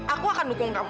aku akan dukung kamu